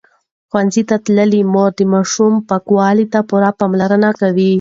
ښوونځې تللې مور د ماشوم پاکوالي ته پوره پاملرنه کوي.